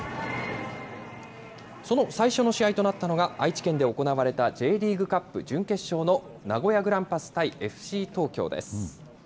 その最初の試合となったのが、愛知県で行われたＪリーグカップ準決勝の名古屋グランパス対ＦＣ東京です。